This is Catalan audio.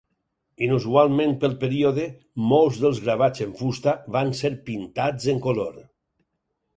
Inusualment pel període, molts dels gravats en fusta van ser pintats en color.